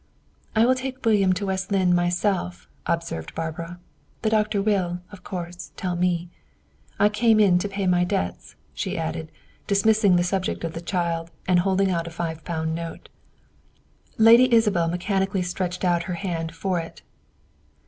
"I will take William into West Lynne myself," observed Barbara. "The doctor will, of course, tell me. I came in to pay my debts," she added, dismissing the subject of the child, and holding out a five pound note. Lady Isabel mechanically stretched out her hand for it.